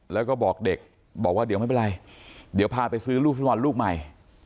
แล้วก็บอกเด็กบอกว่าเดี๋ยวไม่เป็นไรเดี๋ยวพาไปซื้อลูกฟุตบอลลูกใหม่